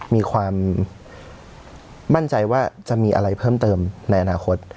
มีความมั่นใจว่าจะมีอะไรเพิ่มเติมในอนาคต